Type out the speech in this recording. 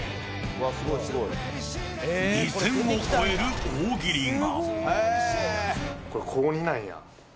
２０００を超える大喜利が。